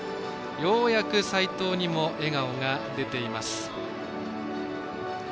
ようやく斉藤にも笑顔が出ています。